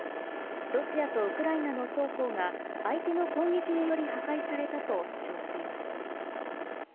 ロシアとウクライナの双方が相手の攻撃により破壊されたと主張しています。